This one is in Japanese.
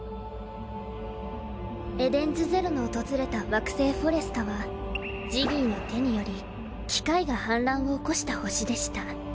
エデンズゼロの訪れた惑星フォレスタはジギーの手により機械が反乱を起こした星でした。